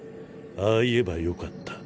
「ああ言えばよかった」。